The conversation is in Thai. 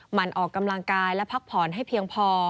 มันออกกำลังกายและพักผ่อนให้เพียงพอ